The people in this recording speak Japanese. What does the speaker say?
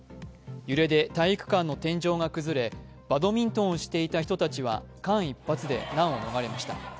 揺れで体育館の天井が崩れバドミントンをしていた人たちは間一髪で難を逃れました。